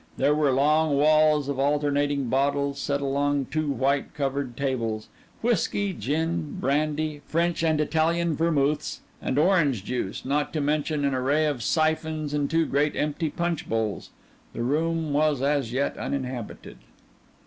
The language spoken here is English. There were long walls of alternating bottles set along two white covered tables; whiskey, gin, brandy, French and Italian vermouths, and orange juice, not to mention an array of syphons and two great empty punch bowls. The room was as yet uninhabited.